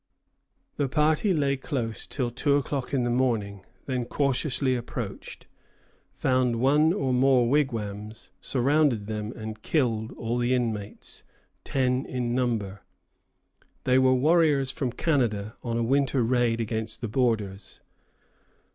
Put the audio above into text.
The party lay close till two o'clock in the morning; then cautiously approached, found one or more wigwams, surrounded them, and killed all the inmates, ten in number. They were warriors from Canada on a winter raid against the borders.